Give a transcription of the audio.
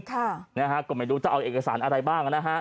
กลับมาดูจะเอาเอกสารอะไรบ้าง